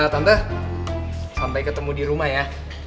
tante sampai ketemu di rumah ya